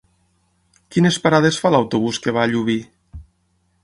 Quines parades fa l'autobús que va a Llubí?